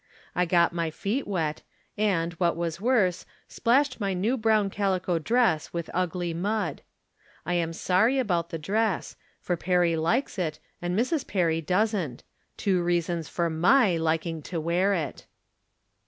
I got my feet wet, and, what was worse, splashed my new brown calico dress with ugly mud. I am sorry about the dress, for Perry likes it, and Mrs. Perry doesn't ; two reasons for my hldng to wear it.